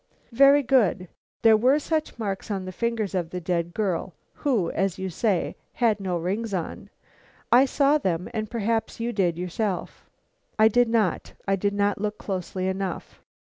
"Very good; there were such marks on the fingers of the dead girl, who, as you say, had no rings on. I saw them, and perhaps you did yourself?" "I did not; I did not look closely enough."